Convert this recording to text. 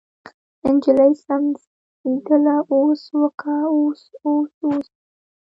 نجلۍ ستمېدله اوس وکه اوس اوس اوس.